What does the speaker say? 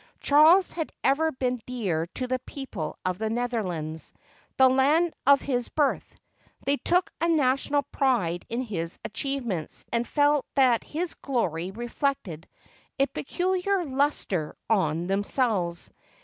Charles had ever been dear to the people of the Netherlands, — the land of his birth. They took a national pride in his achievements, and felt that his glory reflected a peculiar luster on themselves.